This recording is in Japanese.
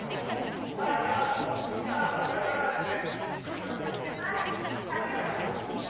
サーブは柿澤さんです。